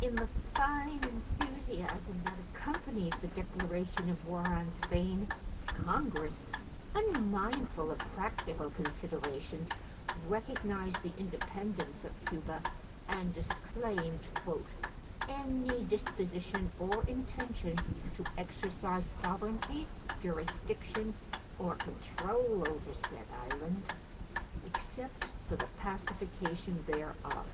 In the fine enthusiasm that accompanied the declaration of war on Spain, Congress, unmindful of practical considerations, recognized the independence of Cuba and disclaimed "any disposition or intention to exercise sovereignty, jurisdiction, or control over said island except for the pacification thereof."